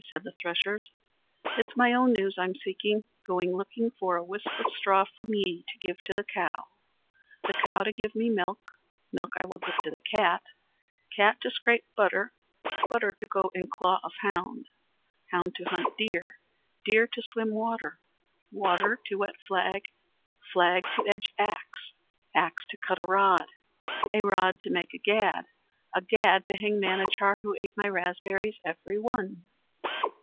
said the threshers. "It's my own news I'm seeking. Going looking for a whisp of straw from ye to give to the cow, the cow to give me milk, milk I will give to the cat, cat to scrape butter, butter to go in claw of hound, hound to hunt deer, deer to swim water, water to wet flag, flag to edge axe, axe to cut a rod, a rod to make a gad, a gad to hang Manachar, who ate my raspberries every one."